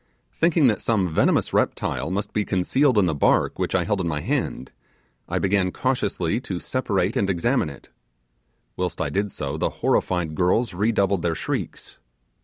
Thinking that some venomous reptile must be concealed in the bark which I held in my hand, I began cautiously to separate and examine it. Whilst I did so the horrified girls re doubled their shrieks.